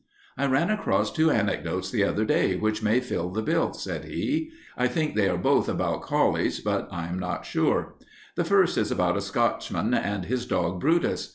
"I ran across two anecdotes the other day which may fill the bill," said he. "I think they are both about collies, but I am not sure. The first is about a Scotchman and his dog Brutus.